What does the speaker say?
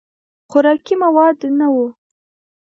خوراکي مواد نه وو.